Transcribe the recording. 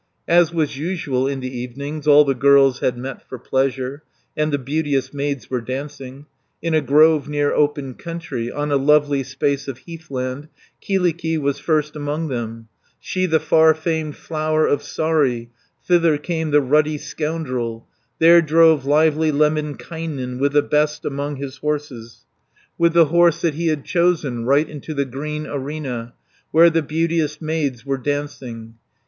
As was usual in the evenings, 190 All the girls had met for pleasure, And the beauteous maids were dancing; In a grove near open country, On a lovely space of heathland. Kyllikki was first among them, She the far famed Flower of Saari. Thither came the ruddy scoundrel, There drove lively Lemminkainen, With the best among his horses, With the horse that he had chosen, 200 Right into the green arena Where the beauteous maids were dancing.